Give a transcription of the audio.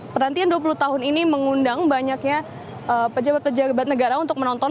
pergantian dua puluh tahun ini mengundang banyaknya pejabat pejabat negara untuk menonton